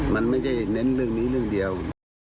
มันไม่ได้เน้นเรื่องนี้เรื่องเดียว